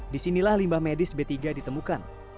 disinilah limbah medis b tiga ditemukan